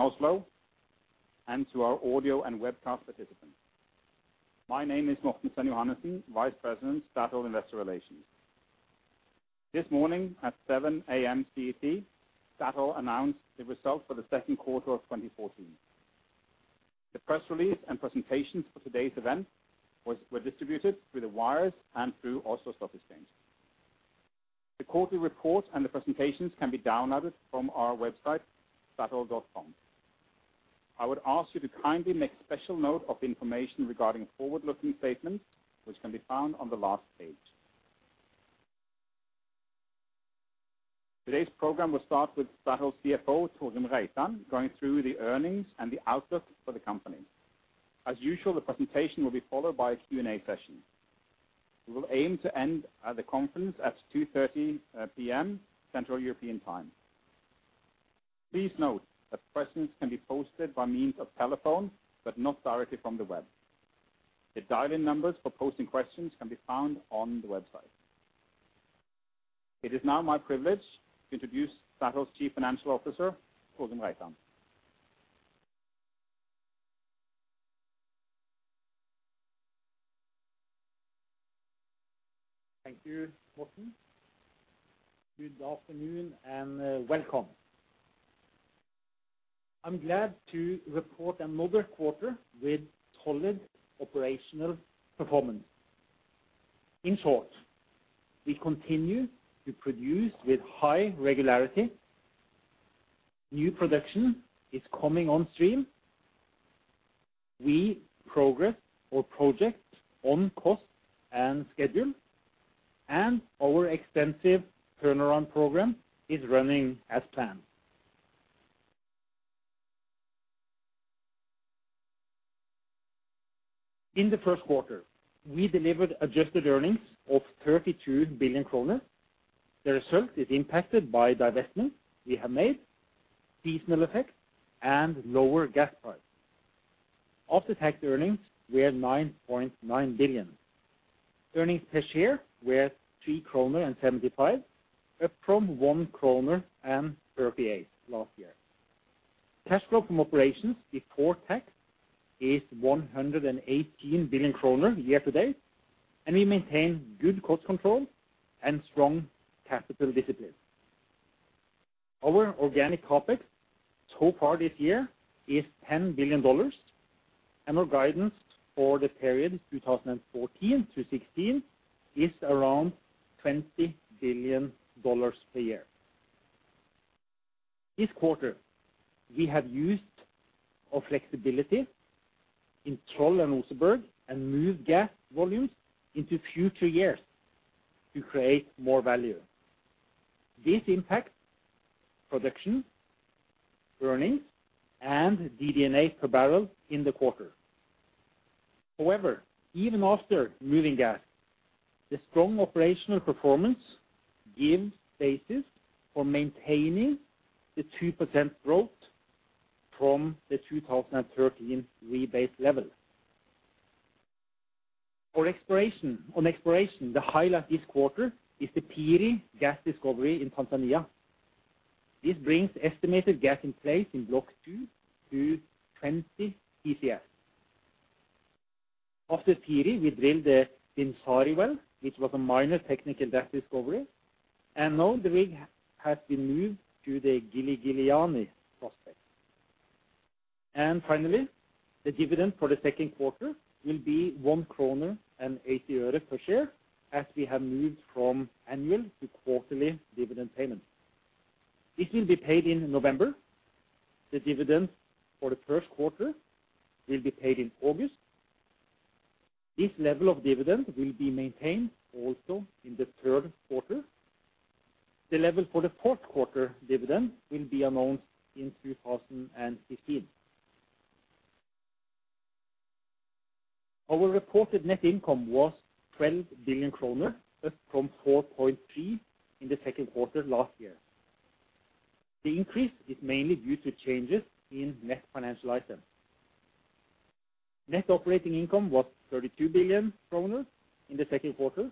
In Oslo and to our audio and webcast participants. My name is Morten Sven Johannessen, Vice President, Statoil Investor Relations. This morning at 7:00 A.M. CET, Statoil announced the results for the second quarter of 2014. The press release and presentations for today's event were distributed through the wires and through Oslo Stock Exchange. The quarterly report and the presentations can be downloaded from our website, statoil.com. I would ask you to kindly make special note of the information regarding forward-looking statements, which can be found on the last page. Today's program will start with Statoil's CFO, Torgrim Reitan, going through the earnings and the outlook for the company. As usual, the presentation will be followed by a Q&A session. We will aim to end the conference at 2:30 P.M. Central European Time. Please note that questions can be posted by means of telephone, but not directly from the web. The dial-in numbers for posting questions can be found on the website. It is now my privilege to introduce Statoil's Chief Financial Officer, Torgrim Reitan. Thank you, Morten. Good afternoon and welcome. I'm glad to report another quarter with solid operational performance. In short, we continue to produce with high regularity. New production is coming on stream. We progress our projects on cost and schedule, and our extensive turnaround program is running as planned. In the first quarter, we delivered adjusted earnings of 32 billion kroner. The result is impacted by divestment we have made, seasonal effects, and lower gas prices. After-tax earnings were 9.9 billion. Earnings per share were 3.75 kroner, up from 1.38 kroner last year. Cash flow from operations before tax is 118 billion kroner year-to-date, and we maintain good cost control and strong capital discipline. Our organic CapEx so far this year is $10 billion, and our guidance for the period 2014 through 2016 is around $20 billion a year. This quarter, we have used our flexibility in Troll and Oseberg and moved gas volumes into future years to create more value. This impacts production, earnings, and DD&A per barrel in the quarter. However, even after moving gas, the strong operational performance gives basis for maintaining the 2% growth from the 2013 rebase level. For exploration, the highlight this quarter is the Piri gas discovery in Tanzania. This brings estimated gas in place in Block 2-20 TCF. After Piri, we drilled the Binsari well, which was a minor technical gas discovery, and now the rig has been moved to the Giligiliani-1 prospect. Finally, the dividend for the second quarter will be NOK 1.80 per share as we have moved from annual to quarterly dividend payment. This will be paid in November. The dividend for the first quarter will be paid in August. This level of dividend will be maintained also in the third quarter. The level for the fourth quarter dividend will be announced in 2015. Our reported net income was 12 billion kroner from 4.3 billion in the second quarter last year. The increase is mainly due to changes in net financial items. Net operating income was 32 billion kroner in the second quarter,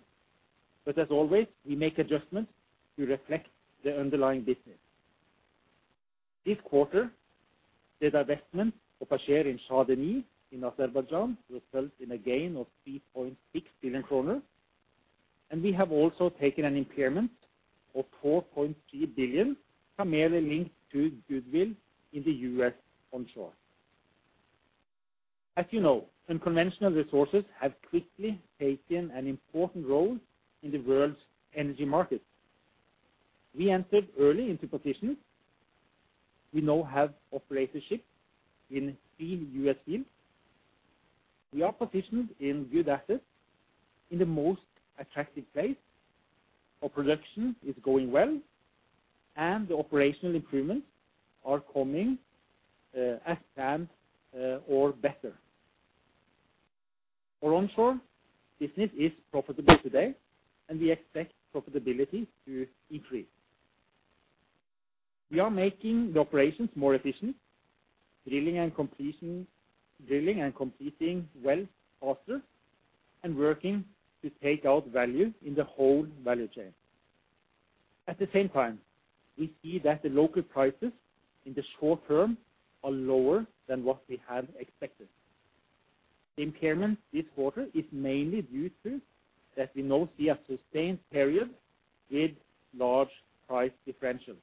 but as always, we make adjustments to reflect the underlying business. This quarter, the divestment of our share in Shah Deniz in Azerbaijan resulted in a gain of 3.6 billion kroner, and we have also taken an impairment of 4.3 billion primarily linked to goodwill in the U.S. onshore. As you know, unconventional resources have quickly taken an important role in the world's energy market. We entered early into position. We now have operatorship in three U.S. fields. We are positioned in good assets in the most attractive place. Our production is going well, and the operational improvements are coming as planned or better. Our onshore business is profitable today, and we expect profitability to increase. We are making the operations more efficient, drilling and completing wells faster, and working to take out value in the whole value chain. At the same time, we see that the local prices in the short term are lower than what we had expected. The impairment this quarter is mainly due to that we now see a sustained period with large price differentials.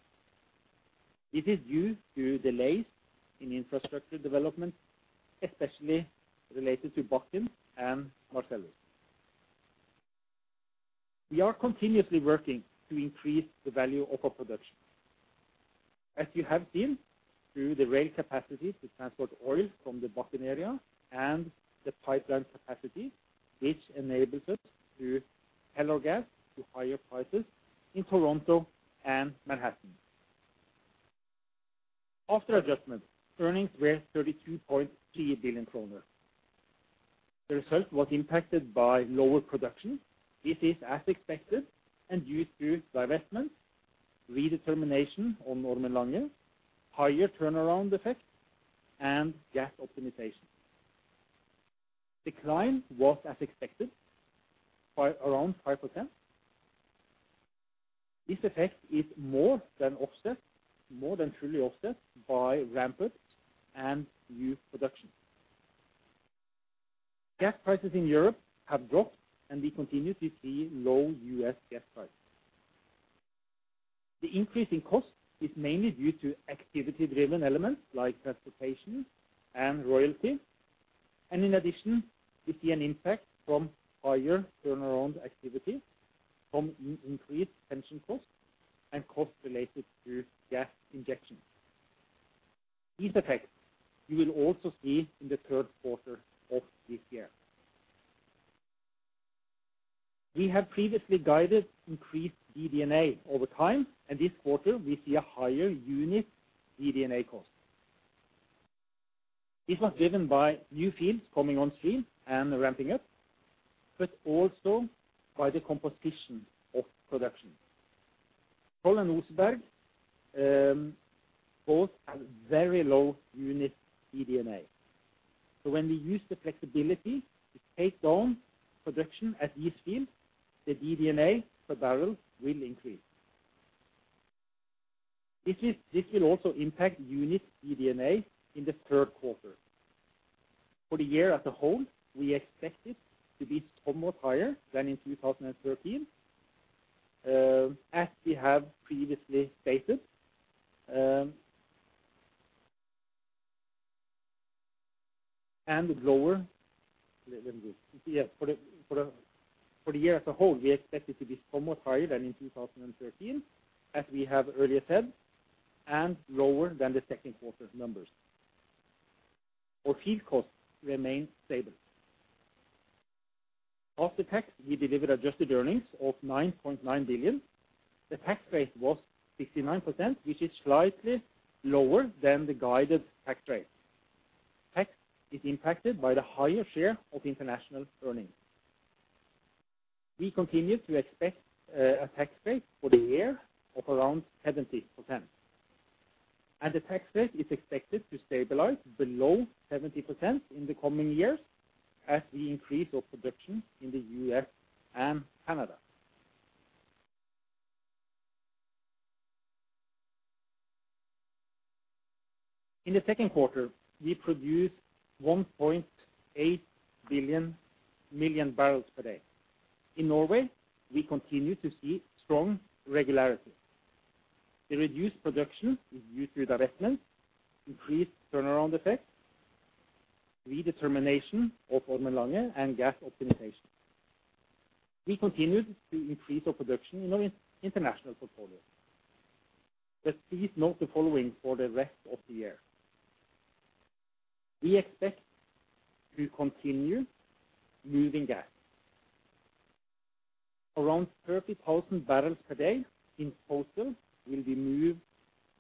It is due to delays in infrastructure development, especially related to Bakken and Marcellus. We are continuously working to increase the value of our production. As you have seen through the rail capacity to transport oil from the Bakken area and the pipeline capacity, which enables us to sell our gas to higher prices in Toronto and Manhattan. After adjustment, earnings were 32.3 billion kroner. The result was impacted by lower production. This is as expected and due to divestments, redetermination on Ormen Lange, higher turnaround effect, and gas optimization. Decline was as expected by around 5%. This effect is more than offset, more than truly offset by ramp-ups and new production. Gas prices in Europe have dropped, and we continue to see low U.S. gas prices. The increase in cost is mainly due to activity-driven elements like transportation and royalty. In addition, we see an impact from higher turnaround activity from increased pension costs and costs related to gas injections. These effects you will also see in the third quarter of this year. We have previously guided increased DD&A over time, and this quarter we see a higher unit DD&A cost. This was driven by new fields coming on stream and ramping up, but also by the composition of production. Troll and Oseberg both have very low unit DD&A. When we use the flexibility to take down production at these fields, the DD&A per barrel will increase. This will also impact unit DD&A in the third quarter. For the year as a whole, we expect it to be somewhat higher than in 2013, as we have previously stated, and lower than the second quarter's numbers. Our field costs remain stable. After tax, we delivered adjusted earnings of 9.9 billion. The tax rate was 69%, which is slightly lower than the guided tax rate. Tax is impacted by the higher share of international earnings. We continue to expect a tax rate for the year of around 70%. The tax rate is expected to stabilize below 70% in the coming years as we increase our production in the U.S. and Canada. In the second quarter, we produced 1.8 million barrels per day. In Norway, we continue to see strong regularity. The reduced production is due to divestments, increased turnaround effects, redetermination of Ormen Lange, and gas optimization. We continued to increase our production in our international portfolio. Please note the following for the rest of the year. We expect to continue moving gas. Around 30,000 barrels per day in total will be moved,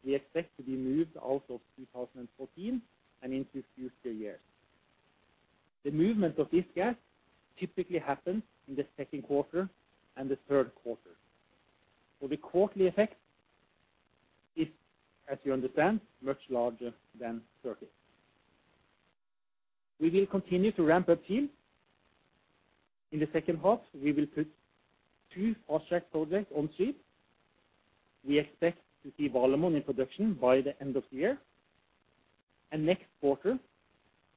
we expect to be moved out of 2014 and into future years. The movement of this gas typically happens in the second quarter and the third quarter. The quarterly effect is, as you understand, much larger than 30. We will continue to ramp up fields. In the second half, we will put two fast-track projects on stream. We expect to see Valemon in production by the end of the year. Next quarter,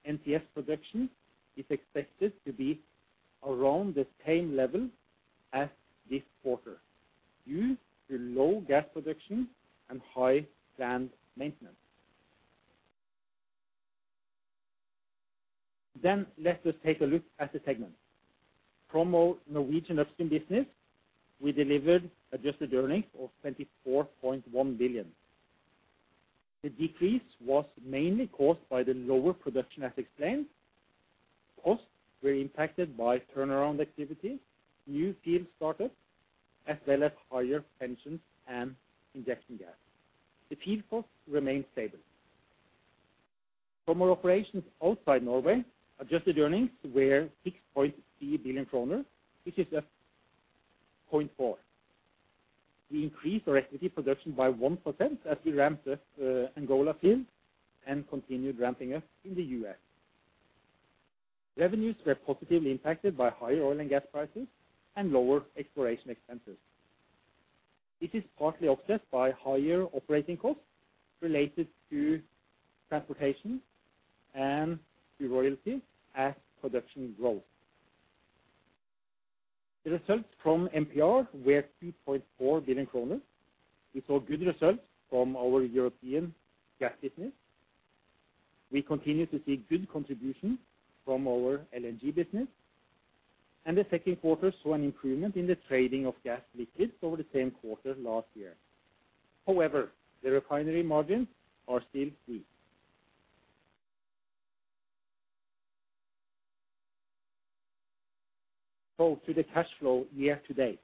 NCS production is expected to be around the same level as this quarter due to low gas production and high planned maintenance. Let us take a look at the segments. From our Norwegian upstream business, we delivered adjusted earnings of 24.1 billion. The decrease was mainly caused by the lower production as explained. Costs were impacted by turnaround activities, new field startups, as well as higher pensions and injection gas. The field costs remained stable. From our operations outside Norway, adjusted earnings were 6.3 billion kroner, which is up 0.4 billion. We increased our equity production by 1% as we ramped up Angola fields and continued ramping up in the U.S. Revenues were positively impacted by higher oil and gas prices and lower exploration expenses. This is partly offset by higher operating costs related to transportation and to royalties as production grows. The results from MPR were 2.4 billion kroner. We saw good results from our European gas business. We continue to see good contribution from our LNG business. The second quarter saw an improvement in the trading of gas liquids over the same quarter last year. However, the refinery margins are still weak. To the cash flow year-to-date.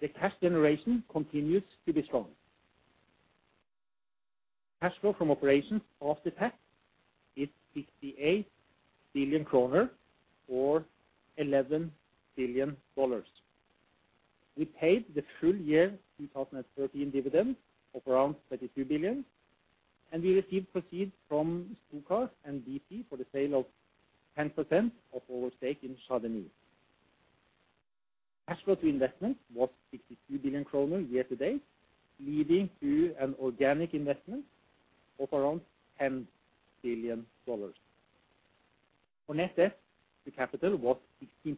The cash generation continues to be strong. Cash flow from operations after tax is 58 billion kroner or $11 billion. We paid the full year 2013 dividend of around 22 billion, and we received proceeds from SOCAR and BP for the sale of 10% of our stake in Shah Deniz. Cash flow to investment was 62 billion kroner year-to-date, leading to an organic investment of around $10 billion. On net debt to capital was 16%.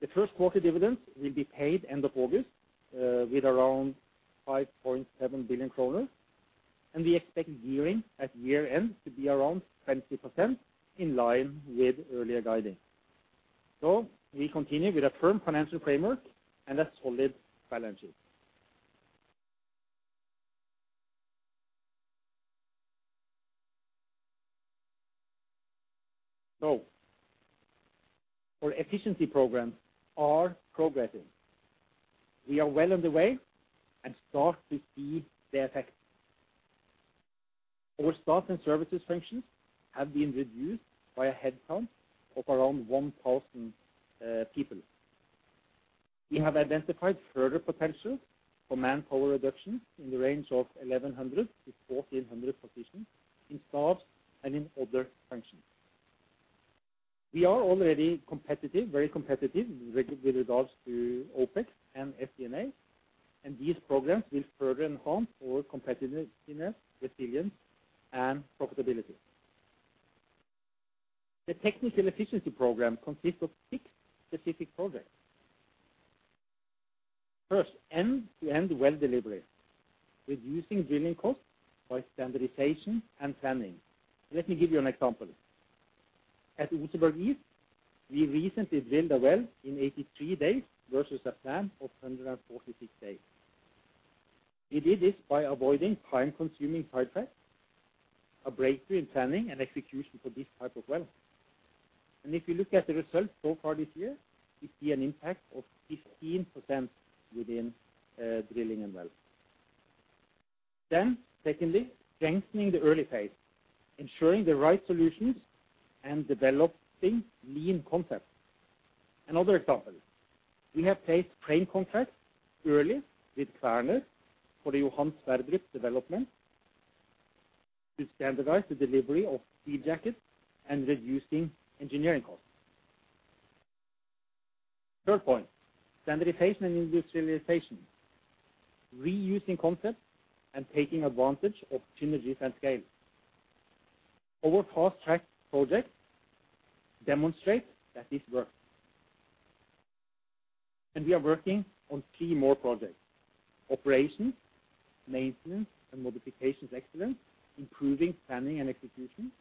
The first quarter dividends will be paid end of August with around 5.7 billion kroner, and we expect gearing at year-end to be around 20% in line with earlier guiding. We continue with a firm financial framework and a solid balance sheet. Our efficiency programs are progressing. We are well on the way and start to see the effect. Our staff and services functions have been reduced by a headcount of around 1,000 people. We have identified further potential for manpower reduction in the range of 1,100-1,400 positions in staffs and in other functions. We are already competitive, very competitive with regards to OpEx and SG&A, and these programs will further enhance our competitiveness, resilience, and profitability. The technical efficiency program consists of six specific projects. First, end-to-end well delivery, reducing drilling costs by standardization and planning. Let me give you an example. At Oseberg East, we recently drilled a well in 83 days versus a plan of 146 days. We did this by avoiding time-consuming pipe trips, a breakthrough in planning, and execution for this type of well. If you look at the results so far this year, we see an impact of 15% within drilling and wells. Secondly, strengthening the early phase, ensuring the right solutions and developing lean concepts. Another example, we have placed frame contracts early with Kværner for the Johan Sverdrup development to standardize the delivery of steel jackets and reducing engineering costs. Third point, standardization and industrialization, reusing concepts and taking advantage of synergies and scale. Our fast-track projects demonstrate that this works. We are working on three more projects, operations, maintenance, and modifications excellence, improving planning and execution,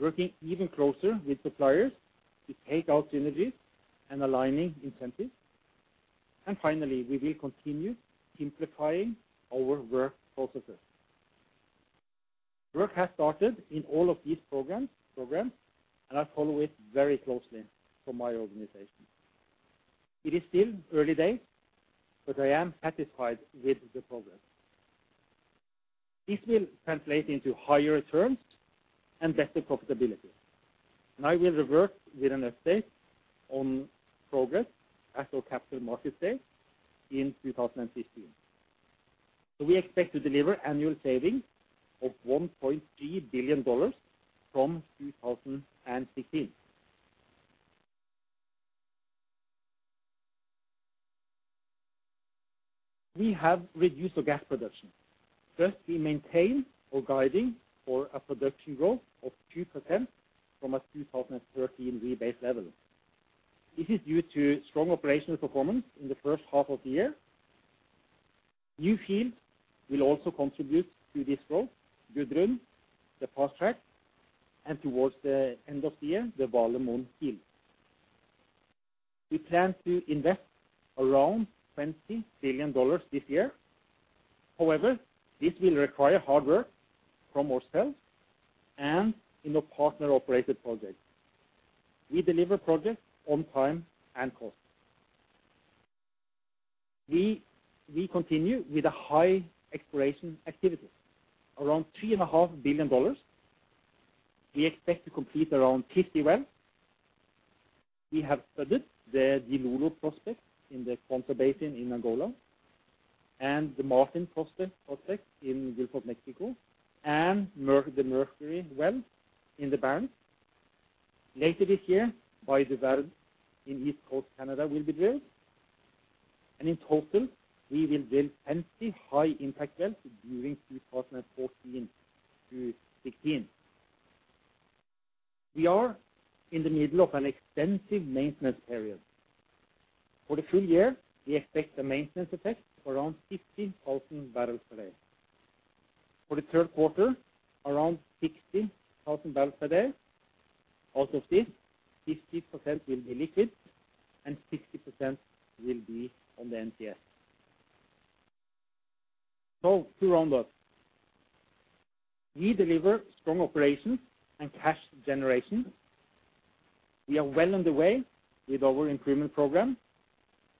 working even closer with suppliers to take out synergies and aligning incentives. Finally, we will continue simplifying our work processes. Work has started in all of these programs, and I follow it very closely from my organization. It is still early days, but I am satisfied with the progress. This will translate into higher returns and better profitability. I will revert with an update on progress at our Capital Markets Day in 2015. We expect to deliver annual savings of $1.3 billion from 2015. We have reduced our gas production. First, we maintain our guiding for a production growth of 2% from a 2013 rebase level. This is due to strong operational performance in the first half of the year. New field will also contribute to this growth, Gudrun, the fast-track, and towards the end of the year, the Valemon field. We plan to invest around $20 billion this year. However, this will require hard work from ourselves and in the partner-operated project. We deliver projects on time and cost. We continue with a high exploration activity, around $3.5 billion. We expect to complete around 50 wells. We have studied the Dilolo prospect in the Kwanza Basin in Angola and the Martin prospect in Gulf of Mexico and the Mercury well in the Barents. Later this year, Bay de Verde in East Coast Canada will be drilled. In total, we will build 20 high-impact wells during 2014 through 2016. We are in the middle of an extensive maintenance period. For the full year, we expect a maintenance effect around 50,000 barrels per day. For the third quarter, around 60,000 barrels per day. Out of this, 50% will be liquid and 60% will be on the NCS. To round up, we deliver strong operations and cash generation. We are well on the way with our improvement program,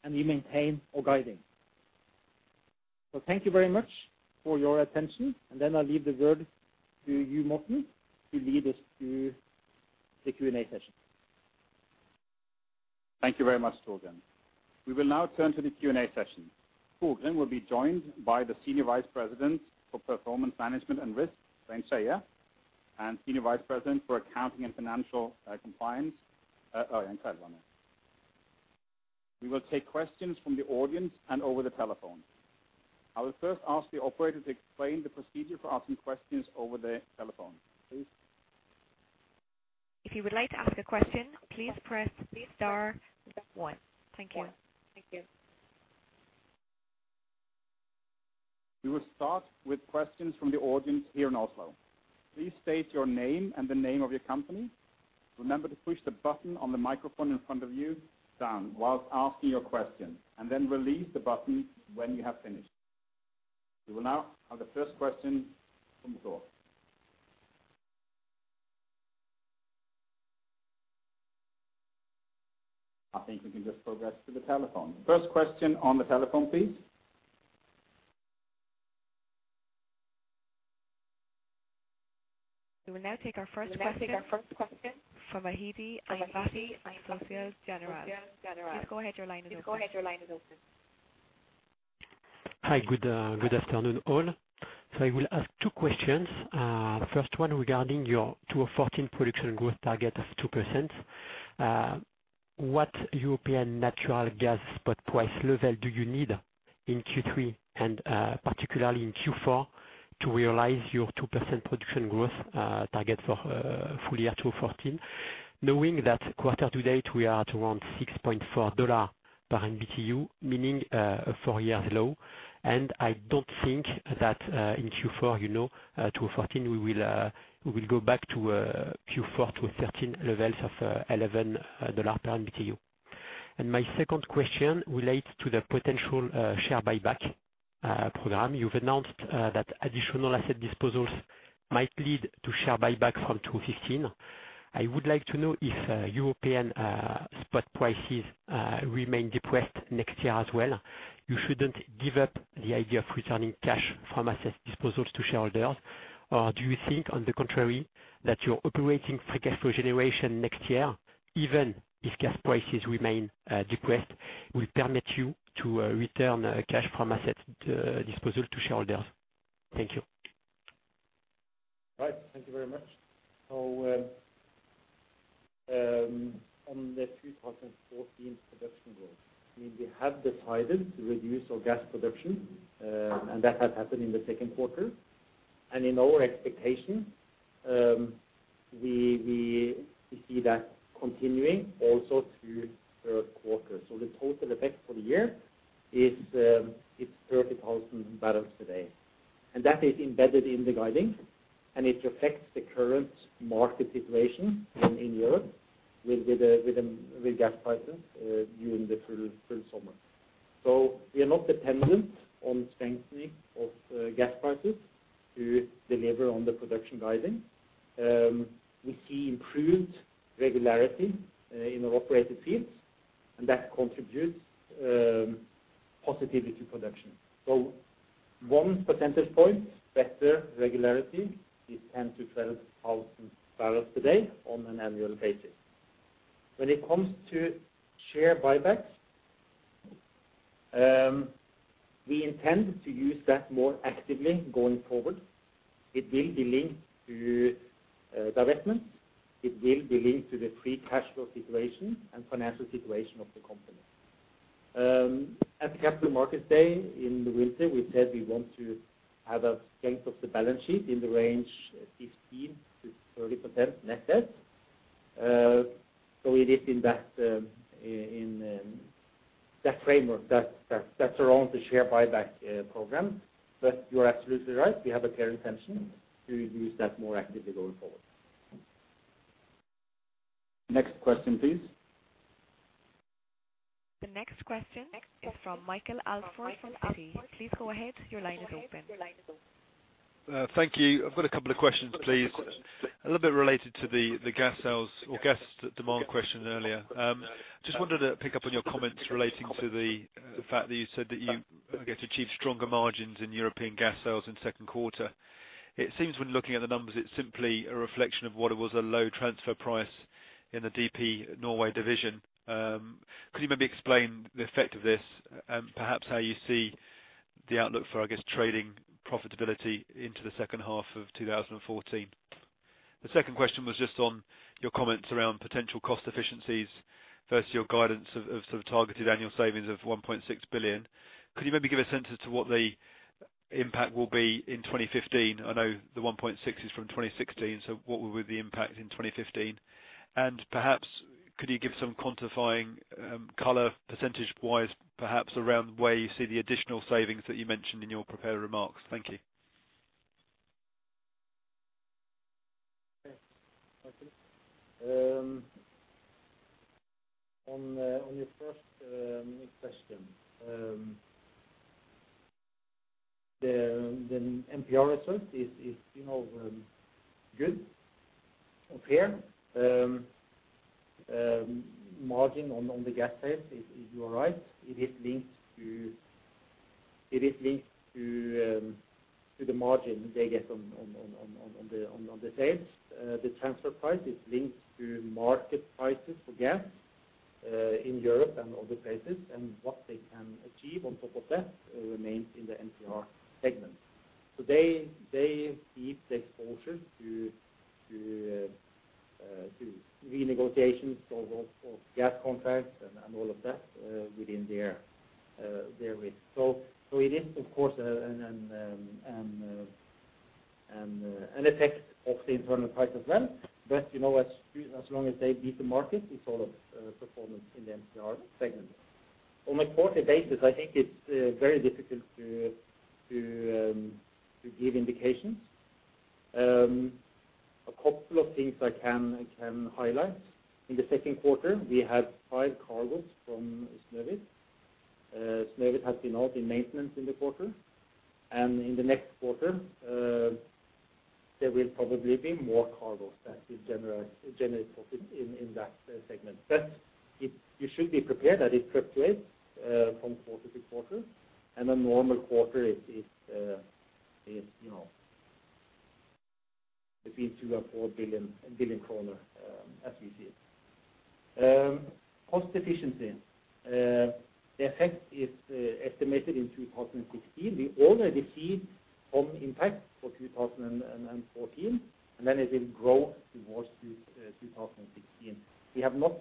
and we maintain our guidance. Thank you very much for your attention. I leave the word to you, Morten, to lead us through the Q&A session. Thank you very much, Torgrim. We will now turn to the Q&A session. Torgrim will be joined by the Senior Vice President for Performance Management and Risk, Svein Skeie, and Senior Vice President for Accounting and Financial Compliance, Ørjan Kvelvane. We will take questions from the audience and over the telephone. I will first ask the operator to explain the procedure for asking questions over the telephone, please. If you would like to ask a question, please press star one. Thank you. We will start with questions from the audience here in Oslo. Please state your name and the name of your company. Remember to push the button on the microphone in front of you down while asking your question, and then release the button when you have finished. We will now have the first question from the floor. I think we can just progress to the telephone. First question on the telephone, please. We will now take our first question from Mehdi Ennebati, Société Générale. Please go ahead, your line is open. Hi. Good afternoon, all. I will ask two questions. The first one regarding your 2014 production growth target of 2%. What European natural gas spot price level do you need in Q3 and particularly in Q4 to realize your 2% production growth target for full year 2014? Knowing that quarter to date, we are at around $6.4 per MBtu, meaning four-year low. I don't think that in Q4, you know, 2014, we will go back to Q4 2013 levels of $11 per MBtu. My second question relates to the potential share buyback program. You've announced that additional asset disposals might lead to share buyback from 2015. I would like to know if European spot prices remain depressed next year as well, you shouldn't give up the idea of returning cash from asset disposals to shareholders. Or do you think, on the contrary, that your operating free cash flow generation next year, even if gas prices remain depressed, will permit you to return cash from asset disposal to shareholders? Thank you. Right. Thank you very much. On the 2014 production growth, we have decided to reduce our gas production, and that has happened in the second quarter. In our expectation, we see that continuing also through third quarter. The total effect for the year is 30,000 barrels per day. That is embedded in the guidance, and it reflects the current market situation in Europe with gas prices during the full summer. We are not dependent on strengthening of gas prices to deliver on the production guidance. We see improved regularity in our operated fields, and that contributes positively to production. One percentage point better regularity is 10,000-12,000 barrels per day on an annual basis. When it comes to share buybacks, we intend to use that more actively going forward. It will be linked to divestments. It will be linked to the free cash flow situation and financial situation of the company. At the Capital Markets Day in the winter, we said we want to have a strength of the balance sheet in the range 15%-30% net debt. It is in that framework that's around the share buyback program. You are absolutely right. We have a clear intention to use that more actively going forward. Next question, please. The next question is from Michael Alsford from Citi. Please go ahead, your line is open. Thank you. I've got a couple of questions, please. A little bit related to the gas sales or gas demand question earlier. Just wanted to pick up on your comments relating to the fact that you said that you, I guess, achieved stronger margins in European gas sales in second quarter. It seems when looking at the numbers, it's simply a reflection of what it was a low transfer price in the DP Norway division. Could you maybe explain the effect of this and perhaps how you see the outlook for, I guess, trading profitability into the second half of 2014? The second question was just on your comments around potential cost efficiencies versus your guidance of sort of targeted annual savings of $1.6 billion. Could you maybe give a sense as to what the impact will be in 2015? I know the $1.6 billion is from 2016, so what would the impact in 2015? Perhaps could you give some quantifying color percentage-wise perhaps around where you see the additional savings that you mentioned in your prepared remarks? Thank you. Okay. On your first question. The MPR result is, you know, good, fair. The margin on the gas sales is. You are right. It is linked to the margin they get on the sales. The transfer price is linked to market prices for gas in Europe and other places, and what they can achieve on top of that remains in the MPR segment. They keep the exposure to renegotiations of gas contracts and all of that within their risk. It is of course an effect of the internal price as well. You know, as long as they beat the market, it's all a performance in the MPR segment. On a quarterly basis, I think it's very difficult to give indications. A couple of things I can highlight. In the second quarter, we had five cargos from Snøhvit. Snøhvit has been out in maintenance in the quarter. In the next quarter, there will probably be more cargos that will generate profit in that segment. You should be prepared that it fluctuates from quarter to quarter, and a normal quarter is, you know, between 2 billion and 4 billion, as we see it. Cost efficiency. The effect is estimated in 2015. We already see some impact for 2014, and then it will grow towards 2016. We have not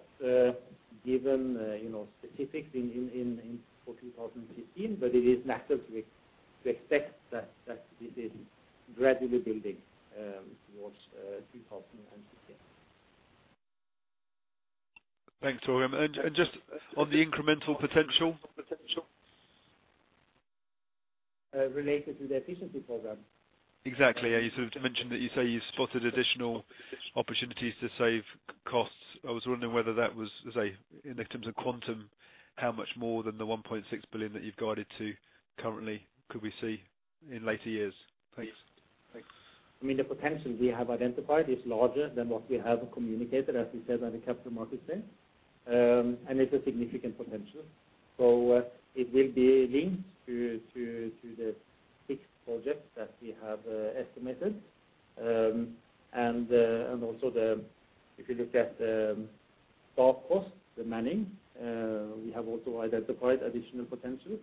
given, you know, specifics in for 2015, but it is natural to expect that it is gradually building towards 2016. Thanks, Torgrim. Just on the incremental potential. Related to the efficiency program? Exactly. You sort of mentioned that you say you've spotted additional opportunities to save costs. I was wondering whether that was in terms of quantum, how much more than the $1.6 billion that you've guided to currently could we see in later years? Thanks. Yes. Thanks. I mean, the potential we have identified is larger than what we have communicated, as we said on the Capital Markets Day. It's a significant potential. It will be linked to the six projects that we have estimated. If you look at staff costs, the manning, we have also identified additional potential.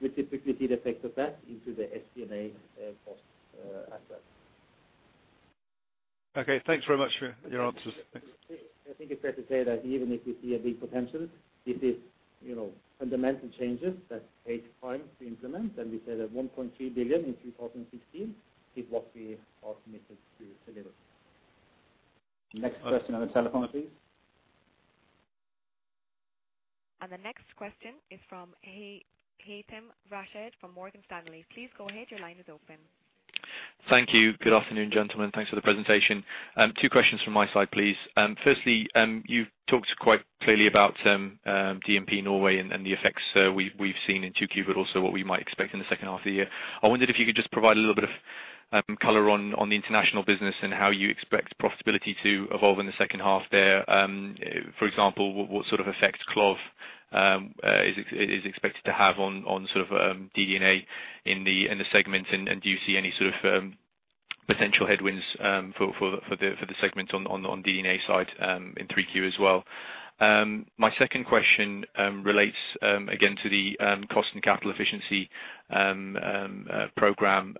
We typically see the effect of that into the SG&A costs, asset. Okay, thanks very much for your answers. Thanks. I think it's fair to say that even if we see a big potential, this is, you know, fundamental changes that takes time to implement. We said that $1.3 billion in 2016 is what we are committed to deliver. Next question on the telephone, please. The next question is from Haythem Rashed from Morgan Stanley. Please go ahead, your line is open. Thank you. Good afternoon, gentlemen. Thanks for the presentation. Two questions from my side, please. Firstly, you've talked quite clearly about DP Norway and the effects we've seen in 2Q, but also what we might expect in the second half of the year. I wondered if you could just provide a little bit of color on the international business and how you expect profitability to evolve in the second half there. For example, what sort of effect CLOV is expected to have on sort of DD&A in the segment? And do you see any sort of potential headwinds for the segment on DD&A side in 3Q as well? My second question relates again to the cost and capital efficiency program.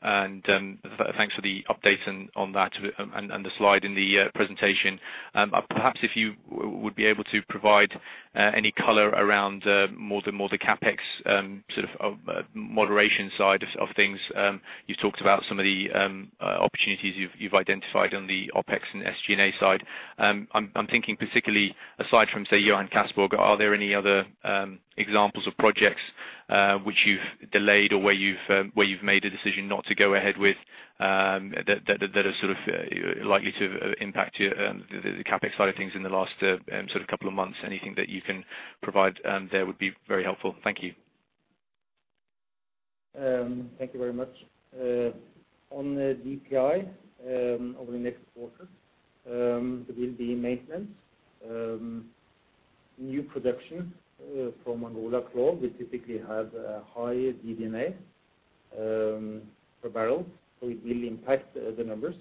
Thanks for the update on that and the slide in the presentation. Perhaps if you would be able to provide any color around more on the CapEx sort of moderation side of things. You've talked about some of the opportunities you've identified on the OpEx and SG&A side. I'm thinking particularly aside from, say, Johan Castberg, are there any other examples of projects which you've delayed or where you've made a decision not to go ahead with that are sort of likely to impact the CapEx side of things in the last sort of couple of months? Anything that you can provide there would be very helpful. Thank you. Thank you very much. On the DPI, over the next quarter, there will be maintenance, new production from Angola CLOV will typically have a high DD&A per barrel. It will impact the numbers.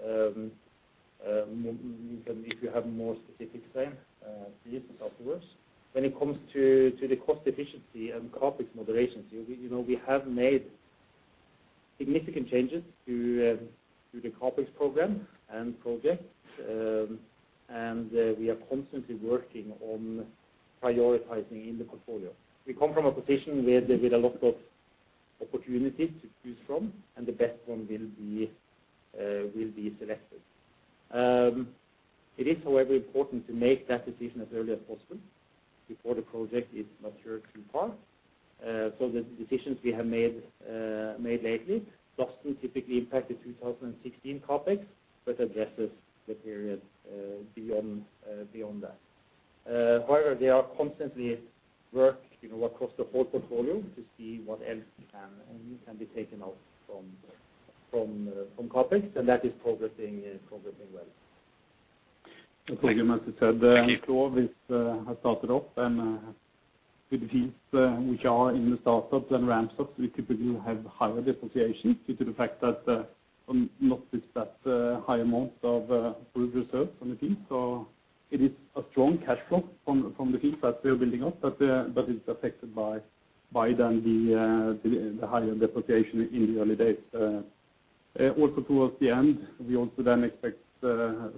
If you have more specific, Svein, please afterwards. When it comes to the cost efficiency and CapEx moderations, you know, we have made significant changes to the CapEx program and project. We are constantly working on prioritizing in the portfolio. We come from a position with a lot of opportunities to choose from, and the best one will be selected. It is, however, important to make that decision as early as possible before the project is matured too far. The decisions we have made lately but some typically impacted 2016 CapEx, but address the period beyond that. However, they are constantly working, you know, across the whole portfolio to see what else can be taken out from CapEx, and that is progressing well. As Torgrim has said, CLOV started up and with the fields which are in the startup and ramp-ups, we typically have higher depreciation due to the fact that high amount of proved reserves from the field. It is a strong cash flow from the fields that we are building up. It's affected by the higher depreciation in the early days. Also towards the end, we also expect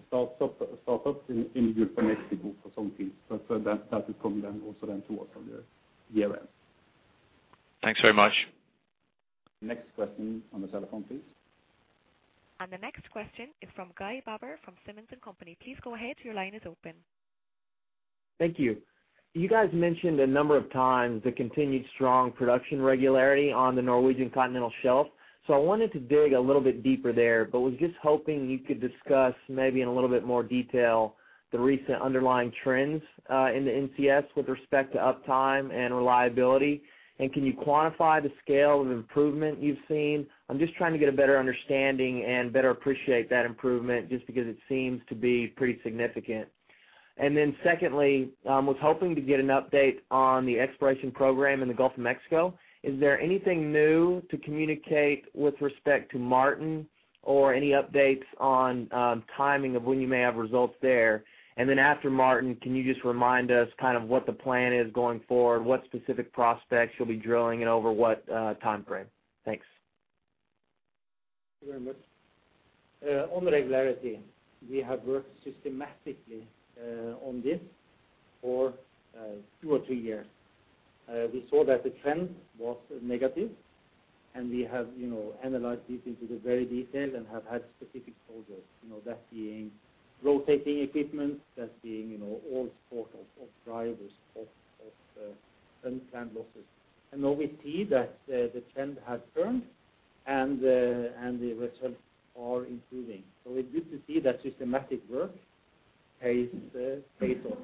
startup in the Gulf of Mexico for some fields. That will come also towards the year end. Thanks very much. Next question on the telephone, please. The next question is from Guy Baber from Simmons & Company. Please go ahead. Your line is open. Thank you. You guys mentioned a number of times the continued strong production regularity on the Norwegian continental shelf. I wanted to dig a little bit deeper there, but was just hoping you could discuss maybe in a little bit more detail the recent underlying trends in the NCS with respect to uptime and reliability. Can you quantify the scale of improvement you've seen? I'm just trying to get a better understanding and better appreciate that improvement just because it seems to be pretty significant. I was hoping to get an update on the exploration program in the Gulf of Mexico. Is there anything new to communicate with respect to Martin or any updates on timing of when you may have results there? After Martin, can you just remind us kind of what the plan is going forward? What specific prospects you'll be drilling and over what, time frame? Thanks. Thank you very much. On the regularity, we have worked systematically on this for two or three years. We saw that the trend was negative, and we have, you know, analyzed this into the very detail and have had specific folders, you know, that being rotating equipment, that being, you know, all sort of drivers of unplanned losses. Now we see that the trend has turned and the results are improving. It's good to see that systematic work pays off.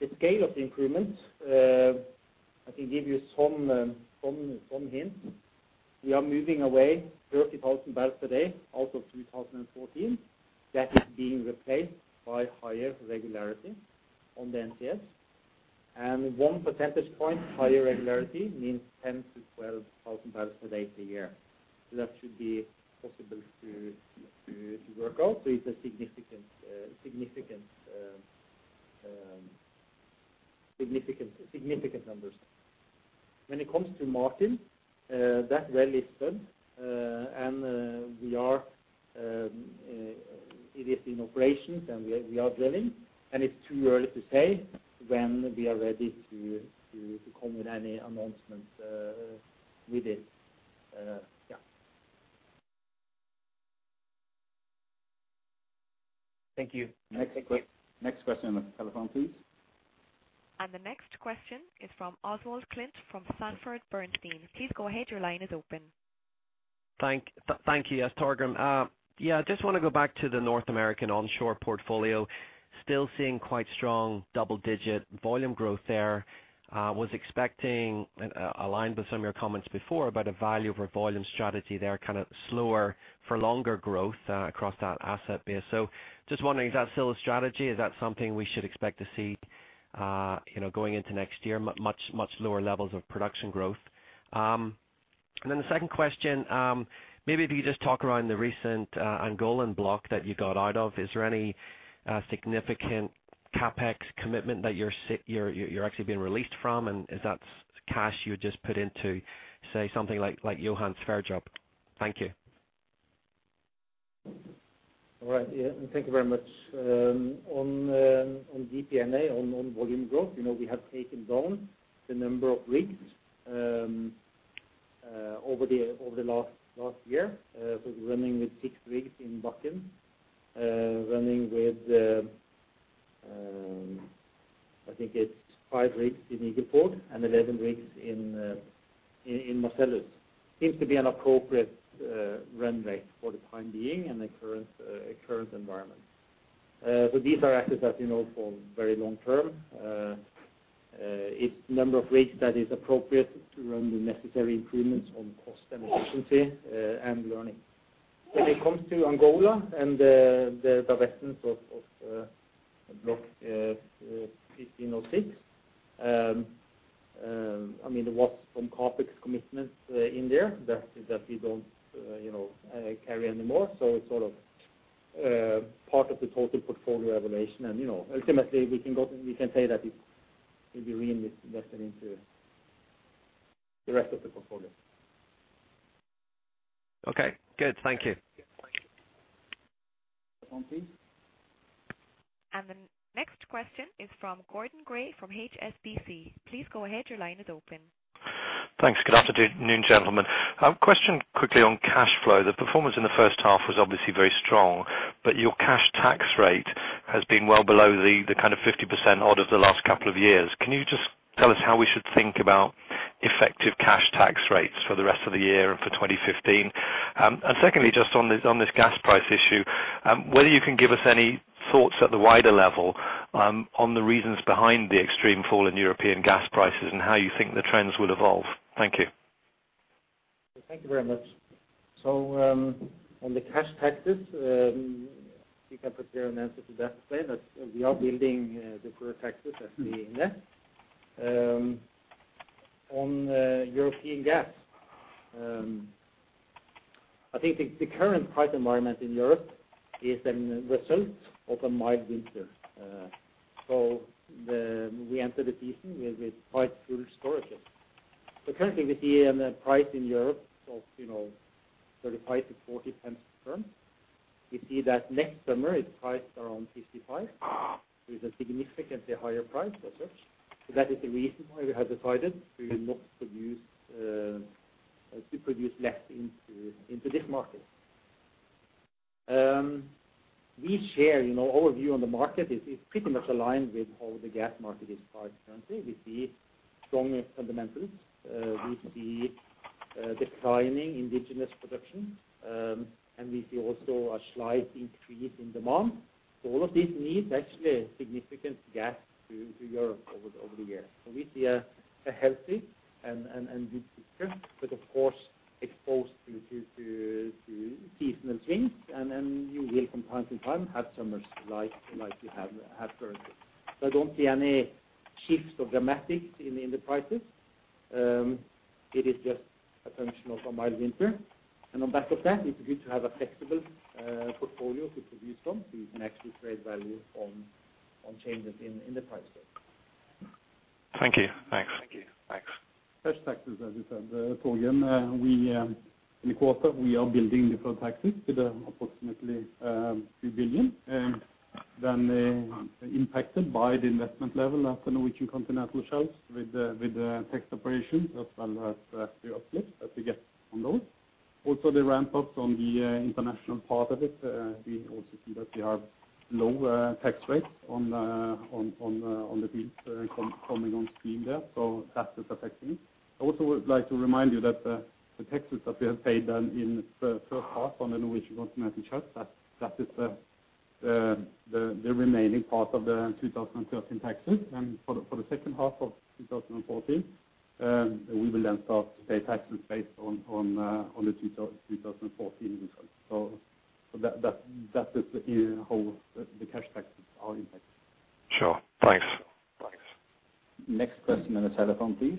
The scale of the improvements, I can give you some hints. We are moving away 30,000 barrels per day out of 2014. That is being replaced by higher regularity on the NCS. One percentage point higher regularity means 10,000-12,000 barrels per day per year. That should be possible to work out. It's a significant numbers. When it comes to Martin, that well is done, and it is in operations, and we are drilling, and it's too early to say when we are ready to come with any announcements with it. Yeah. Thank you. Next question on the telephone, please. The next question is from Oswald Clint from Sanford Bernstein. Please go ahead. Your line is open. Thank you. Yes, Torgrim. Yeah, just wanna go back to the North American onshore portfolio. Still seeing quite strong double-digit volume growth there. Was expecting aligned with some of your comments before about a value for volume strategy there, kind of slower for longer growth across that asset base. Just wondering, is that still a strategy? Is that something we should expect to see, you know, going into next year, much lower levels of production growth? Then the second question, maybe if you just talk about the recent Angolan block that you got out of. Is there any significant CapEx commitment that you're actually being released from? And is that cash you would just put into, say something like Johan Sverdrup? Thank you. All right. Yeah. Thank you very much. On DPNA, on volume growth, you know, we have taken down the number of rigs over the last year. We're running with six rigs in Bakken, running with, I think it's five rigs in Eagle Ford and 11 rigs in Marcellus. Seems to be an appropriate run rate for the time being in the current environment. These are assets that we know for very long term. It's number of rigs that is appropriate to run the necessary improvements on cost and efficiency, and learning. When it comes to Angola and the divestments of Block 15/06, I mean there was some CapEx commitments in there that we don't, you know, carry anymore. It's sort of part of the total portfolio evaluation. You know, ultimately we can say that it will be reinvested into the rest of the portfolio. Okay, good. Thank you. Telephone, please. The next question is from Gordon Gray from HSBC. Please go ahead. Your line is open. Thanks. Good afternoon, gentlemen. Question quickly on cash flow. The performance in the first half was obviously very strong, but your cash tax rate has been well below the kind of 50% or so of the last couple of years. Can you just tell us how we should think about effective cash tax rates for the rest of the year and for 2015? Secondly, just on this gas price issue, whether you can give us any thoughts at the wider level, on the reasons behind the extreme fall in European gas prices and how you think the trends will evolve? Thank you. Thank you very much. On the cash taxes, you can prepare an answer to that, Svein, that we are building deferred taxes as we invest. On European gas, I think the current price environment in Europe is a result of a mild winter. We enter the season with quite full storages. Currently we see the price in Europe of, you know, [0.35-0.40] per therm. We see that next summer it's priced around [55] with a significantly higher price as such. That is the reason why we have decided we will produce less into this market. We share, you know, our view on the market is pretty much aligned with how the gas market is priced currently. We see stronger fundamentals. We see declining indigenous production, and we see also a slight increase in demand. All of this needs actually significant gas to Europe over the year. We see a healthy and good picture, but of course exposed to seasonal swings and you will from time to time have summers like you have currently. I don't see any shifts or dramatics in the prices. It is just a function of a mild winter. On back of that, it's good to have a flexible portfolio to produce from. We can actually create value on changes in the prices. Thank you. Thanks. Cash taxes, as you said, Torgrim, in the quarter we are building deferred taxes with approximately 2 billion, and then impacted by the investment level at the Norwegian Continental Shelf with the tax operations as well as the uplift that we get on those. Also the ramp-ups on the international part of it, we also see that we have low tax rates on the fields coming on stream there. That is affecting. I also would like to remind you that the taxes that we have paid then in first half on the Norwegian Continental Shelf, that is the remaining part of the 2013 taxes. For the second half of 2014, we will then start to pay taxes based on the 2014 results. That is, you know, how the cash taxes are impacted. Sure. Thanks. Next person on the telephone, please.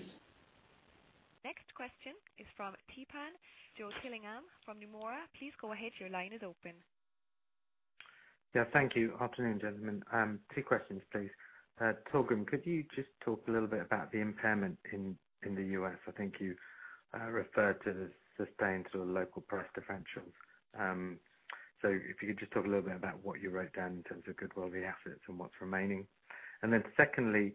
Next question is from Theepan Jothilingam from Nomura. Please go ahead. Your line is open. Yeah, thank you. Afternoon, gentlemen. Two questions, please. Torgrim, could you just talk a little bit about the impairment in the U.S.? I think you referred to the sustained sort of local price differentials. So if you could just talk a little bit about what you wrote down in terms of goodwill of the assets and what's remaining. Secondly,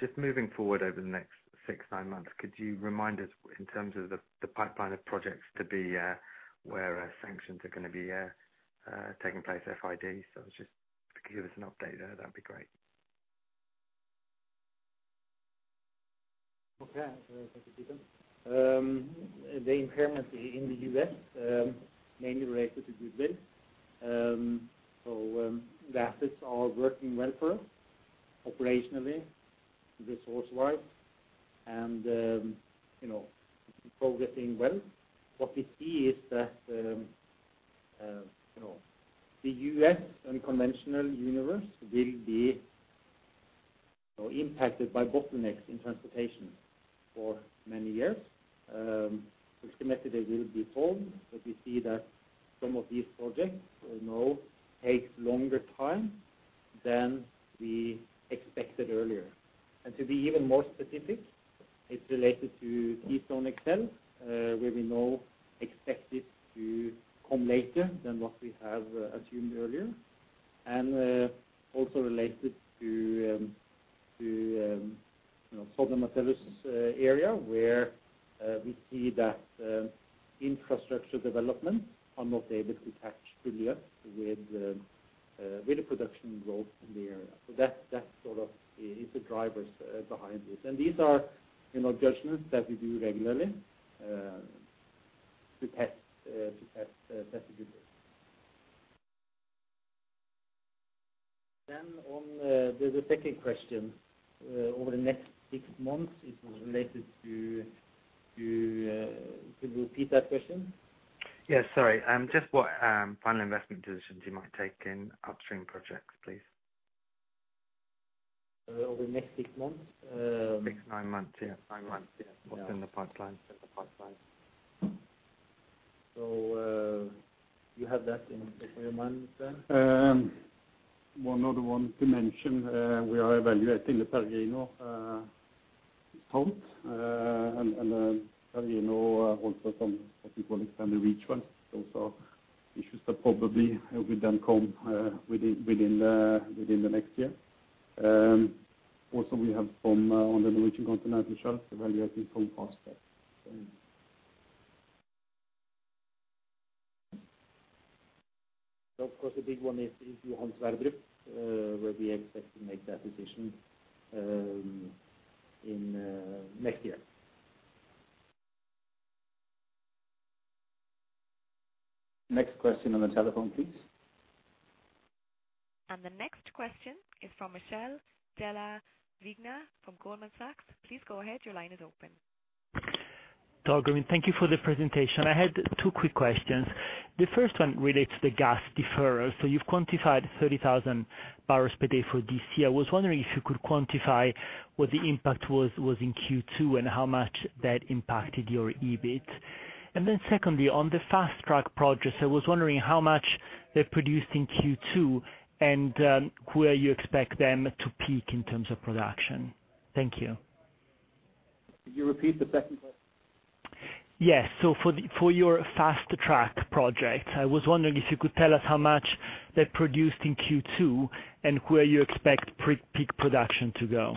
just moving forward over the next six, nine months, could you remind us in terms of the pipeline of projects where sanctions are gonna be taking place FID? Just give us an update there, that'd be great. Okay. Thank you, Theepan. The impairment in the U.S. mainly related to goodwill. The assets are working well for us operationally, resource-wise, and, you know, progressing well. What we see is that, you know, the U.S. unconventional universe will be, you know, impacted by bottlenecks in transportation for many years. We estimated they will be solved, but we see that some of these projects we know takes longer time than we expected earlier. To be even more specific, it's related to Keystone XL, where we now expect it to come later than what we have assumed earlier. Also related to, you know, Southern Marcellus area where, we see that, infrastructure development are not able to catch fully up with the production growth in the area. That sort of is the drivers behind this. These are, you know, judgments that we do regularly. To test the. On the second question, over the next six months, it was related to, could you repeat that question? Yes. Sorry. Just what final investment decisions you might take in upstream projects, please? Over the next six months. six-nine months. Yeah. What's in the pipeline? You have that in your mind, Svein? One of the ones to mention, we are evaluating the Peregrino [south]. Peregrino also from, I think, what we call, extended reach for us. Issues that probably will then come within the next year. Also we have some on the Norwegian Continental Shelf evaluating from fast-track. Of course, the big one is Johan Sverdrup, where we expect to make that decision in next year. Next question on the telephone, please. The next question is from Michele Della Vigna from Goldman Sachs. Please go ahead. Your line is open. Torgrim Reitan, thank you for the presentation. I had two quick questions. The first one relates to the gas deferral. You've quantified 30,000 barrels per day for this year. I was wondering if you could quantify what the impact was in Q2 and how much that impacted your EBIT. Secondly, on the fast-track project, I was wondering how much they've produced in Q2 and where you expect them to peak in terms of production. Thank you. Could you repeat the second question? Yes. For your fast-track project, I was wondering if you could tell us how much they produced in Q2 and where you expect peak production to go?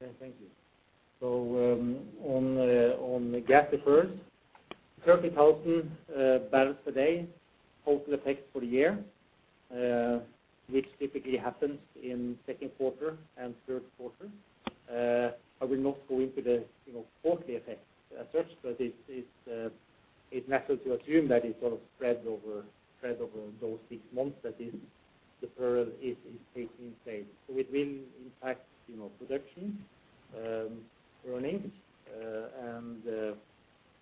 Yeah. Thank you. On the gas deferral, 30,000 barrels per day total effect for the year, which typically happens in second quarter and third quarter. I will not go into the, you know, quarterly effects as such, but it's natural to assume that it sort of spreads over those six months, that is the deferral is taking place. It will impact, you know, production, earnings, and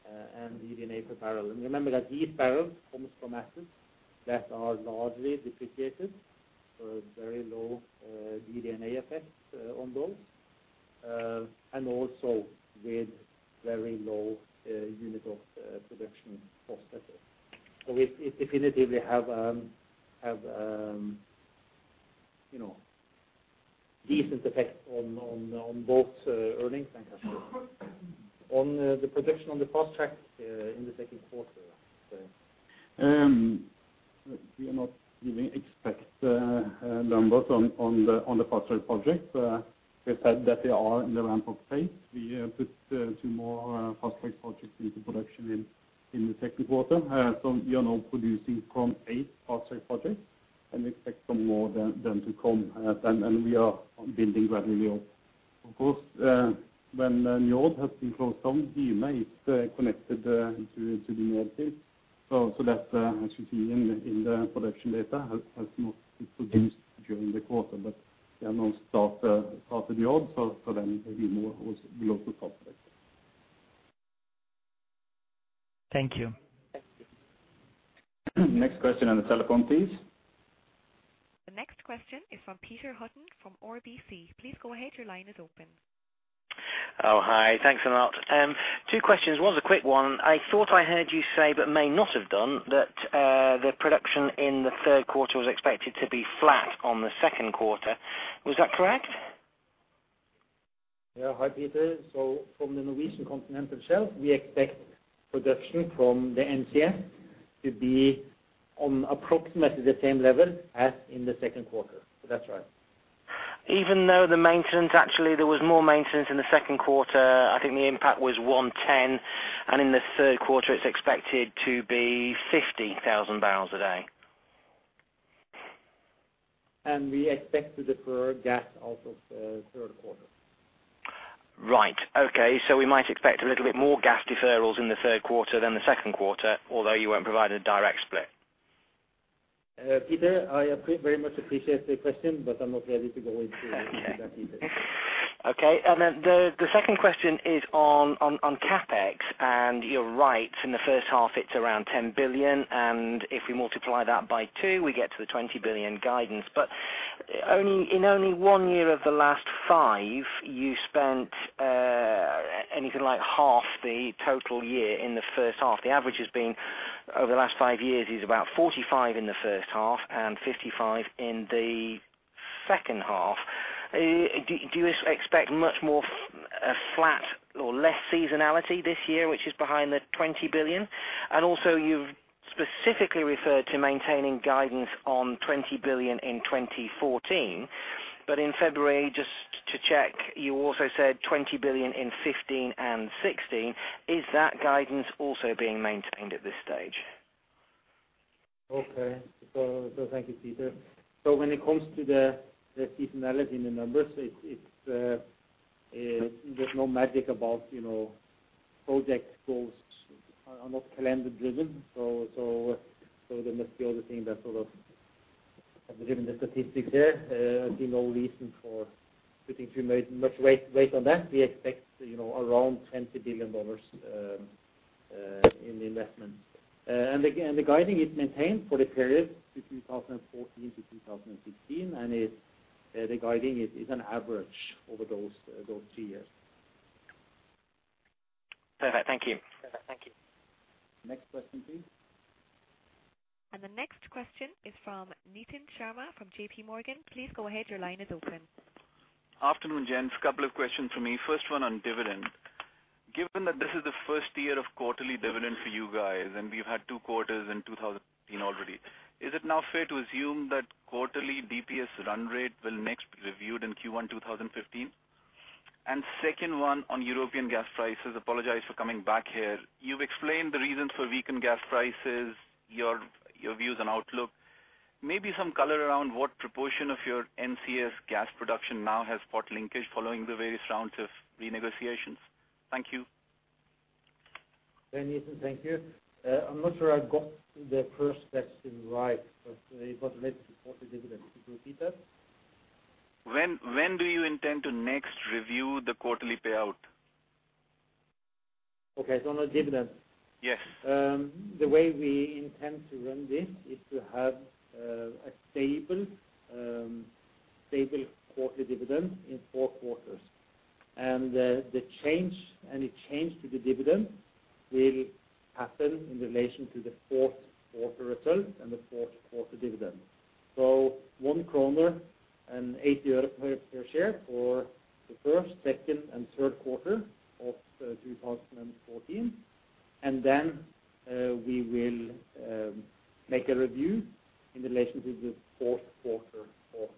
EBITDA per barrel. Remember that these barrels comes from assets that are largely depreciated, so very low EBITDA effect on those, and also with very low unit of production cost as well. It definitively have decent effect on both earnings and cash flow. The production on the fast-track in the second quarter, Svein. We are not giving exact numbers on the fast-track project. We've said that they are in the ramp-up phase. We put two more fast-track projects into production in the second quarter. We are now producing from eight fast-track projects, and we expect some more to come. We are building gradually up. Of course, when Njord has been closed down, Hyme is connected to the Njord field. That, as you see in the production data, has not been produced during the quarter. We are now started Njord, so then maybe more will also come from there. Thank you. Next question on the telephone, please. The next question is from Peter Hutton from RBC. Please go ahead. Your line is open. Oh, hi. Thanks a lot. Two questions. One's a quick one. I thought I heard you say, but may not have done that, the production in the third quarter was expected to be flat on the second quarter. Was that correct? Yeah. Hi, Peter. From the Norwegian Continental Shelf, we expect production from the NCS to be on approximately the same level as in the second quarter. That's right. Even though the maintenance actually there was more maintenance in the second quarter, I think the impact was 110,000 and in the third quarter it's expected to be 50,000 barrels a day. And We expect to defer gas out of the third quarter. Right. Okay. We might expect a little bit more gas deferrals in the third quarter than the second quarter, although you won't provide a direct split. Peter, I very much appreciate the question, but I'm not ready to go into that detail. The second question is on CapEx. You're right, in the first half it's around $10 billion, and if we multiply that by two, we get to the $20 billion guidance. But only in one year of the last five, you spent anything like half the total year in the first half. The average has been over the last five years is about 45% in the first half and 55% in the second half. Do you expect much more flat or less seasonality this year, which is behind the $20 billion? Also you've specifically referred to maintaining guidance on $20 billion in 2014. But in February, just to check, you also said $20 billion in 2015 and 2016. Is that guidance also being maintained at this stage? Thank you, Peter. When it comes to the seasonality in the numbers, there's no magic about, you know, project costs are not calendar driven. That must be all the things that sort of have driven the statistics there. I see no reason for putting too much weight on that. We expect, you know, around $20 billion in the investment. Again, the guidance is maintained for the period between 2014-2016, and the guidance is an average over those three years. Perfect. Thank you. Next question, please. The next question is from Nitin Sharma from JPMorgan. Please go ahead. Your line is open. Afternoon, gents. A couple of questions from me. First one on dividend. Given that this is the first year of quarterly dividend for you guys, and we've had two quarters in 2013 already, is it now fair to assume that quarterly DPS run rate will next be reviewed in Q1 2015? Second one on European gas prices. Apologize for coming back here. You've explained the reasons for weakened gas prices, your views on outlook. Maybe some color around what proportion of your NCS gas production now has spot linkage following the various rounds of renegotiations. Thank you. Hey, Nitin. Thank you. I'm not sure I got the first question right, but it was related to quarterly dividends. Could you repeat that? When do you intend to next review the quarterly payout? Okay. On the dividend. The way we intend to run this is to have a stable quarterly dividend in four quarters. The change, any change to the dividend will happen in relation to the fourth quarter result and the fourth quarter dividend. 1.08 kroner per share for the first, second, and third quarter of 2014, and then we will make a review in relation to the fourth quarter of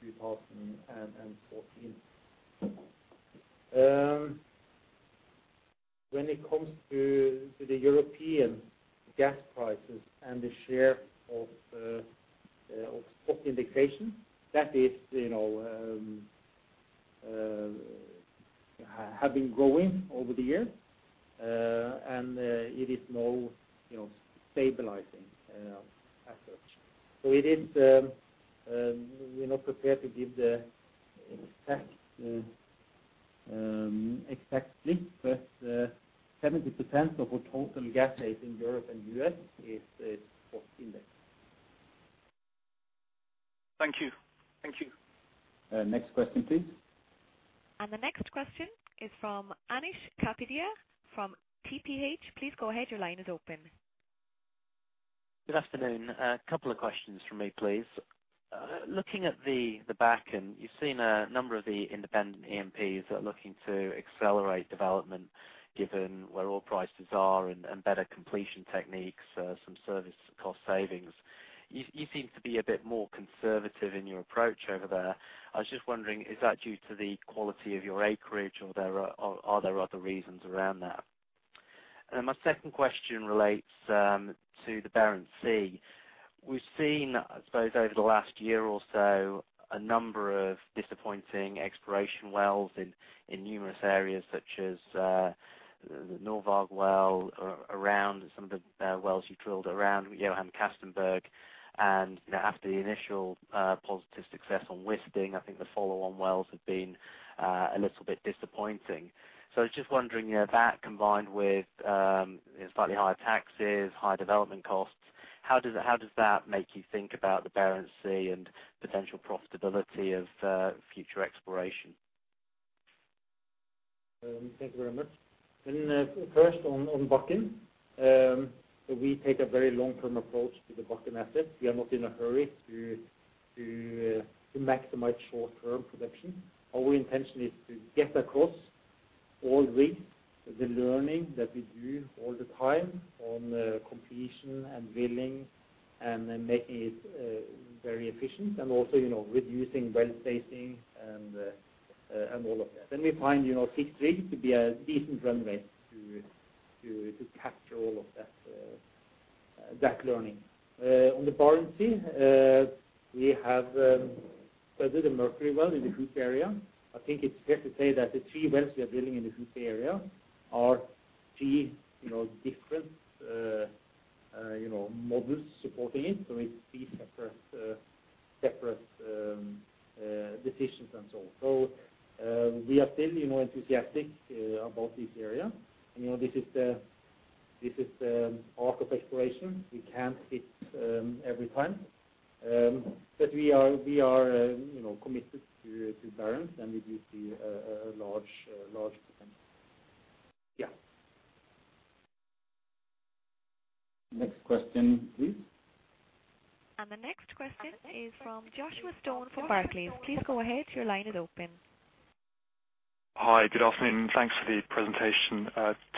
2014. When it comes to the European gas prices and the share of spot indication, that is, you know, have been growing over the years, and it is now, you know, stabilizing as such. It is, we're not prepared to give exactly, but 70% of our total gas sales in Europe and U.S. is spot index. Thank you. Next question, please. The next question is from Anish Kapadia from TPH. Please go ahead. Your line is open. Good afternoon. A couple of questions from me, please. Looking at the Bakken, you've seen a number of the independent E&Ps are looking to accelerate development given where oil prices are and better completion techniques, some service cost savings. You seem to be a bit more conservative in your approach over there. I was just wondering, is that due to the quality of your acreage, or are there other reasons around that? Then my second question relates to the Barents Sea. We've seen, I suppose, over the last year or so, a number of disappointing exploration wells in numerous areas such as the Norvag well around some of the wells you drilled around Johan Castberg. After the initial positive success on Wisting, I think the follow-on wells have been a little bit disappointing. I was just wondering, you know, that combined with slightly higher taxes, higher development costs, how does that make you think about the Barents Sea and potential profitability of future exploration? Thank you very much. First on Bakken, we take a very long-term approach to the Bakken asset. We are not in a hurry to maximize short-term production. Our intention is to get across all the learning that we do all the time on completion and drilling, and then making it very efficient and also, you know, reducing well spacing and all of that. We find six rigs to be a decent runway to capture all of that learning. On the Barents Sea, we have started the Mercury well in the Hoop area. I think it's fair to say that the three wells we are drilling in the Hoop area are three, you know, different, you know, models supporting it, so it's three separate decisions and so on. We are still, you know, enthusiastic about this area. You know, this is the art of exploration. We can't hit every time. But we are, you know, committed to Barents, and we do see a large potential. Yeah. Next question, please. The next question is from Joshua Stone from Barclays. Please go ahead. Your line is open. Hi. Good afternoon. Thanks for the presentation.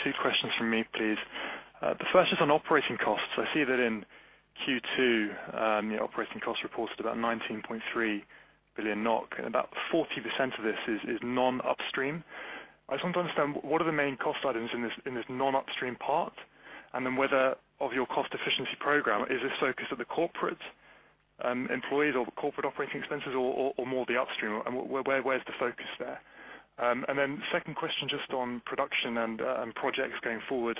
Two questions from me, please. The first is on operating costs. I see that in Q2, your operating costs reported about 19.3 billion NOK, and about 40% of this is non-upstream. I just want to understand what are the main cost items in this non-upstream part, and then whether of your cost efficiency program, is this focused at the corporate, employees or corporate operating expenses or more the upstream? Where is the focus there? And then second question just on production and projects going forward.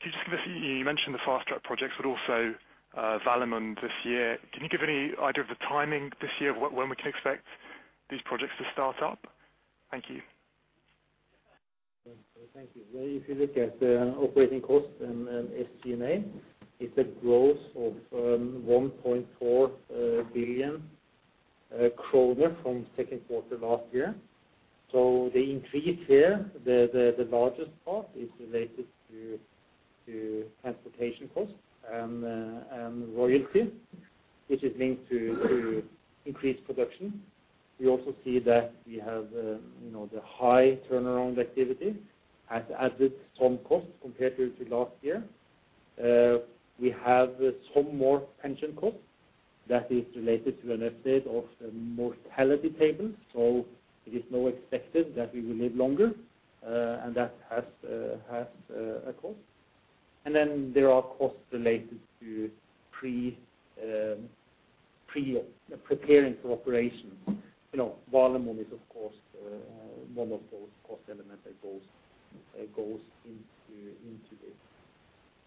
Can you just give us. You mentioned the fast-track projects, but also, Valemon this year. Can you give any idea of the timing this year, when we can expect these projects to start up? Thank you. Thank you. If you look at the operating cost and SG&A, it's a growth of 1.4 billion kroner from second quarter last year. The increase here, the largest part is related to transportation costs and royalty, which is linked to increased production. We also see that we have, you know, the high turnaround activity has added some costs compared to last year. We have some more pension costs that is related to an update of mortality tables, so it is now expected that we will live longer and that has a cost. There are costs related to preparing for operations. You know, Valemon is, of course, one of those cost elements that goes into this.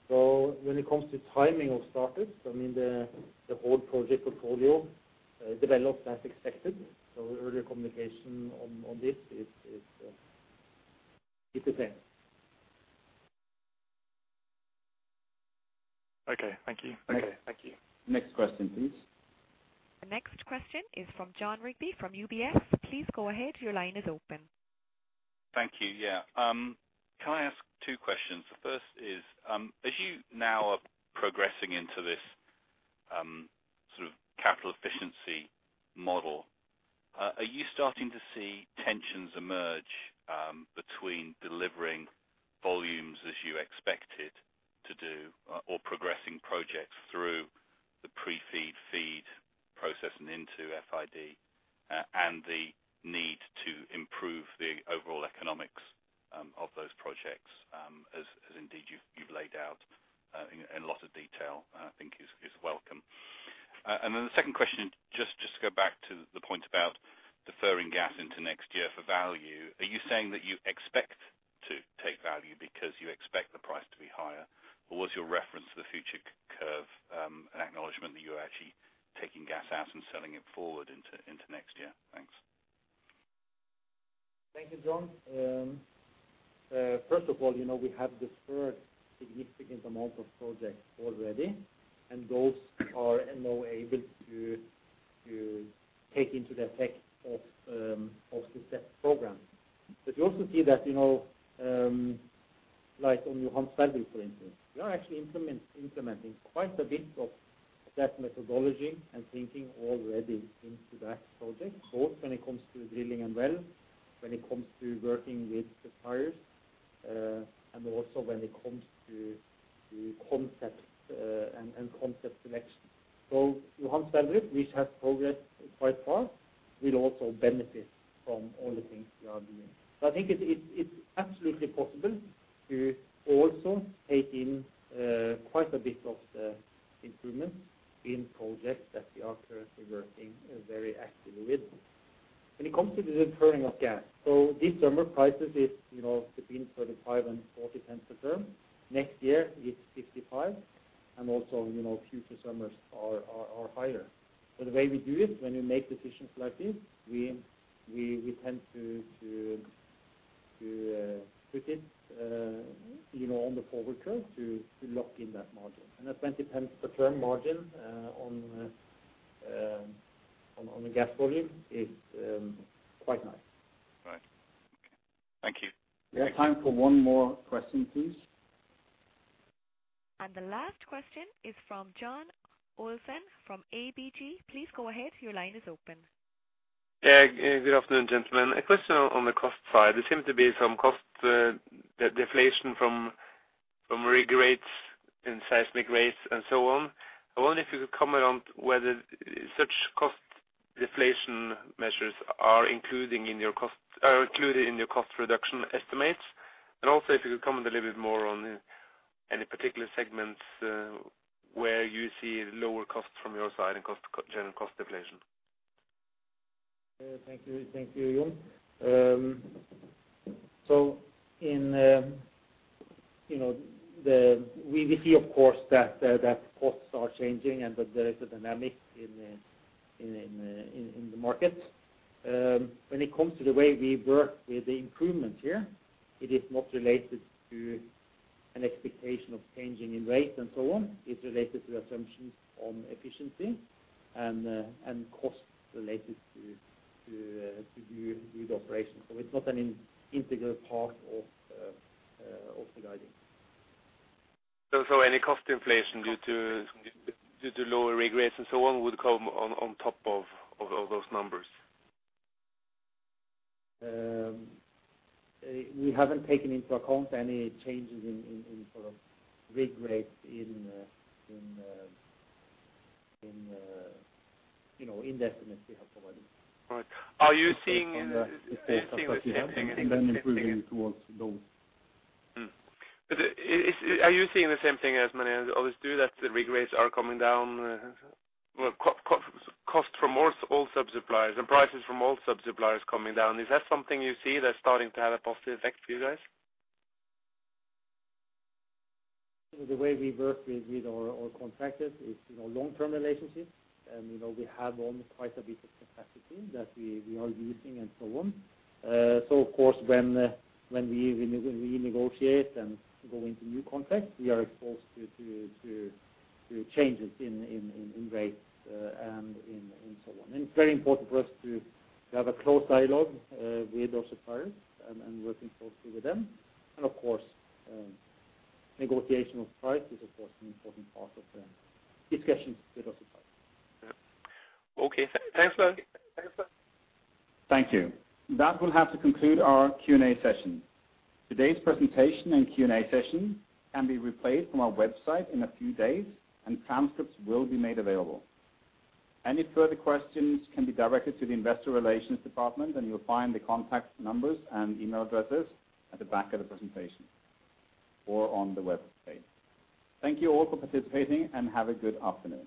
When it comes to timing of starters, I mean, the whole project portfolio developed as expected. Earlier communication on this is the same. Okay, thank you. Next question, please. The next question is from Jon Rigby from UBS. Please go ahead. Your line is open. Thank you. Yeah. Can I ask two questions? The first is, as you now are progressing into this sort of capital efficiency model, are you starting to see tensions emerge between delivering volumes as you expected to do or progressing projects through the pre-FEED, FEED process and into FID, and the need to improve the overall economics of those projects, as indeed you've laid out in a lot of detail, I think is welcome. The second question, just to go back to the point about deferring gas into next year for value, are you saying that you expect to take value because you expect the price to be higher? Was your reference to the forward curve an acknowledgment that you're actually taking gas out and selling it forward into next year? Thanks. Thank you, Jon. First of all, you know, we have deferred significant amount of projects already, and those are now able to take into the effect of the set program. You also see that, you know, like on Johan Sverdrup, for instance, we are actually implementing quite a bit of that methodology and thinking already into that project, both when it comes to drilling and wells, when it comes to working with suppliers, and also when it comes to concept and concept selection. Johan Sverdrup, which has progressed quite far, will also benefit from all the things we are doing. where you see lower costs from your side and general cost deflation. Thank you, John. We see, of course, that costs are changing and that there is a dynamic in the market. When it comes to the way we work with the improvement here, it is not related to an expectation of change in rates and so on. It's related to assumptions on efficiency and cost related to the operation. It's not an integral part of the guidance. Any cost deflation due to lower rig rates and so on would come on top of those numbers? We haven't taken into account any changes in sort of rig rates, you know, in the estimates we have provided. Based on the case that we have and then improving towards those. Are you seeing the same thing as many others do, that the rig rates are coming down? Well, cost from all sub-suppliers and prices from all sub-suppliers coming down. Is that something you see that's starting to have a positive effect for you guys? The way we work with our contractors is, you know, long-term relationships, and you know, we have owned quite a bit of capacity that we are using and so on. Of course, when we renegotiate and go into new contracts, we are exposed to changes in rates and so on. It's very important for us to have a close dialogue with our suppliers and working closely with them. Of course, negotiation of price is of course an important part of the discussions with our suppliers. Okay. Thanks a lot. Thank you. That will have to conclude our Q&A session. Today's presentation and Q&A session can be replayed from our website in a few days and transcripts will be made available. Any further questions can be directed to the investor relations department, and you'll find the contact numbers and email addresses at the back of the presentation or on the webpage. Thank you all for participating and have a good afternoon.